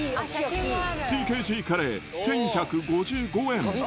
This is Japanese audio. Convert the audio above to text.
ＴＫＧカレー１１５５円。